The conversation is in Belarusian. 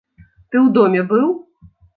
Ты ў доме быў?